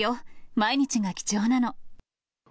毎日が貴重なの。